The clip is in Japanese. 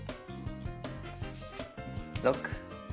６！